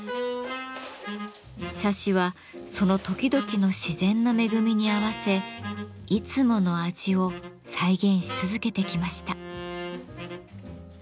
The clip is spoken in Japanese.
茶師はその時々の自然の恵みに合わせいつもの味を再現し続けてきました。